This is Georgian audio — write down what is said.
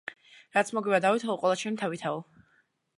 რაც მოგივა დავითაო, ყველა შენი თავითაო.